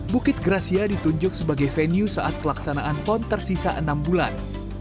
bukit gracia ditunjuk sebagai venue saat pelaksanaan pon tersisa enam bulan